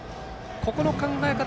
ここの考え方